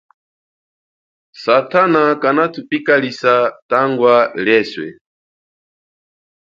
Satana kana tupikalisa tangwa lieswe.